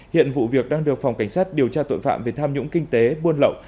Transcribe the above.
hiện vụ việc đang được phòng cảnh sát điều tra tội phạm về tham nhũng kinh tế buôn lậu